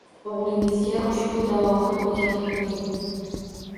O‘g‘lingizga ushbu duoni o‘rgatib qo‘ying.